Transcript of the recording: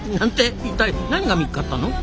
一体何が見っかったの？